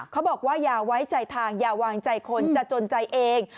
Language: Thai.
เขาบอกว่าอย่าไว้ใจทางอย่าวางใจคนจะจนใจเอง